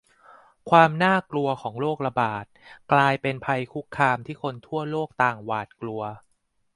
ความน่ากลัวของโรคระบาดกลายเป็นภัยคุกคามที่คนทั่วโลกต่างหวาดกลัว